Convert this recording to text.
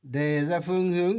đề ra phương hướng